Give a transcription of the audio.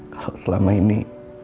kalau selama ini